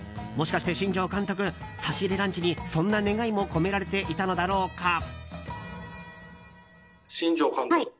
もしかして新庄監督差し入れランチに、そんな願いも込められていたのだろうか。